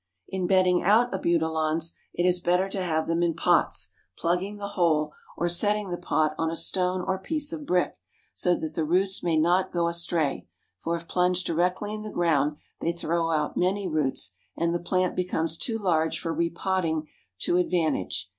In bedding out Abutilons, it is better to have them in pots, plugging the hole, or setting the pot on a stone or piece of brick, so that the roots may not go astray, for if plunged directly in the ground they throw out many roots and the plant becomes too large for re potting to advantage.